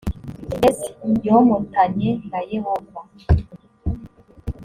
s yomatanye na yehova